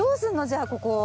じゃあここ。